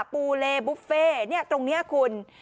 ปูเลบุฟเฟ่ตรงนี้คุณ